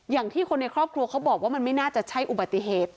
อย่างที่คนในครอบครัวเขาบอกว่ามันไม่น่าจะใช่อุบัติเหตุ